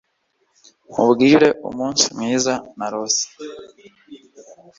Nkubwire umunsi mwiza narose